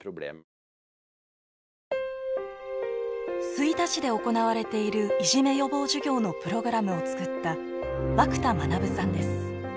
吹田市で行われているいじめ予防授業のプログラムを作った和久田学さんです。